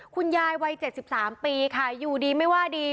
คุณยายวัย๗๓ปีค่ะอยู่ดีไม่ว่าดี